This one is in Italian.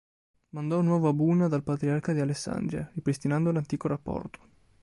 Mandò un nuovo Abuna dal Patriarca di Alessandria, ripristinando l'antico rapporto.